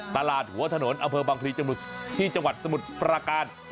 ตลาดหัวถนนอเวิบังคลีจมุดที่จังหวัดสมุดประกาศ